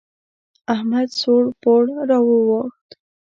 احمد سوړ پوړ را واوښت.